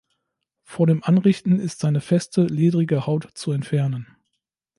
Vor dem Anrichten ist seine feste, ledrige Haut zu entfernen.